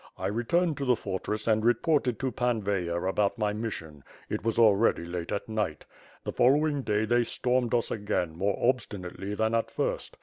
I returned to the fortress and reported to Pan Veyher about my mission. It was al ready late at night. The following day, they stormed us again, more obstinately than at first.